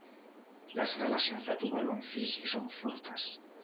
Les relacions de Tuvalu amb Fiji són fortes.